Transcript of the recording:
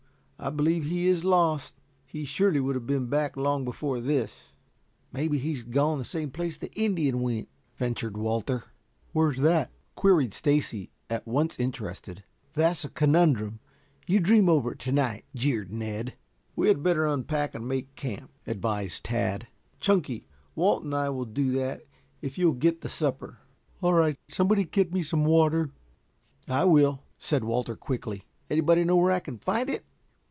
I believe he is lost. He surely would have been back long before this." "Maybe he's gone the same place the Indian went," ventured Walter. "Where's that?" queried Stacy, at once interested. "That's a conundrum. You dream over it to night," jeered Ned. "We had better unpack and make camp," advised Tad. "Chunky, Walt and I will do that if you will get the supper." "All right. Somebody get me some water." "I will," said Walter quickly. "Anybody know where I can find it?"